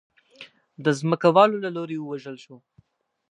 د ځمکوالو له لوري ووژل شو.